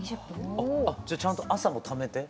じゃあちゃんと朝もためて？